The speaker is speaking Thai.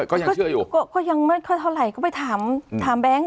ก็ยังเชื่ออยู่ก็ยังเท่าไหร่ก็ไปถามแบงค์